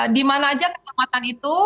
dimana aja kecamatan itu